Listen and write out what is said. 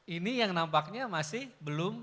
ini yang nampaknya masih belum